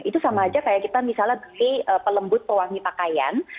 itu sama aja kayak kita misalnya beli pelembut pewangi pakaian